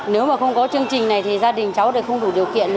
nếu mà không có chương trình này thì gia đình cháu thì không đủ điều kiện